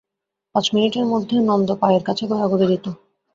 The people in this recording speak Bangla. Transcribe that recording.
পাঁচ মিনিটের মধ্যে নন্দ পায়ের কাছে গড়াগড়ি দিত।